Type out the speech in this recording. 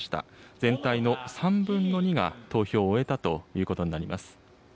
全体の３分の２が投票を終えたということになります。